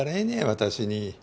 私に。